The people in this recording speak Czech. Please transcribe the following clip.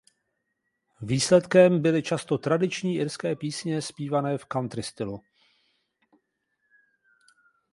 Výsledkem byly často tradiční irské písně zpívané v country stylu.